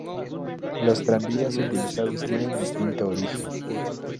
Los tranvías utilizados tienen distinto origen.